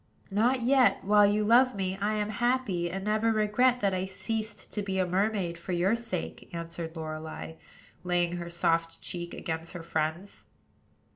"Not yet: while you love me, I am happy, and never regret that I ceased to be a mermaid for your sake," answered Lorelei, laying her soft cheek against her friend's.